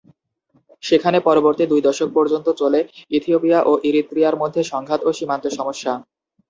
সেখানে পরবর্তী দুই দশক পর্যন্ত চলে ইথিওপিয়া ও ইরিত্রিয়ার মধ্যে সংঘাত ও সীমান্ত সমস্যা।